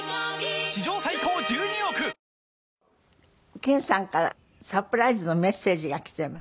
研さんからサプライズのメッセージが来ています。